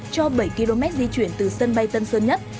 cho bảy km di chuyển từ sân bay tân sơn nhất